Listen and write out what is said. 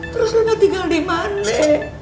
terus lo gak tinggal dimane